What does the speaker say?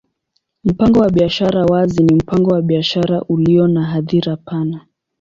Mpango wa biashara wazi ni mpango wa biashara ulio na hadhira pana.